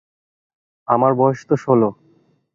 আমার বয়সতো ষোল।